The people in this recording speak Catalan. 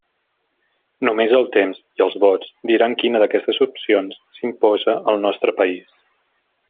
Només el temps —i els vots— diran quina d'aquestes opcions s'imposa al nostre país.